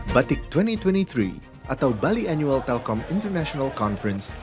batik dua ribu dua puluh tiga atau bali annual telkom international conference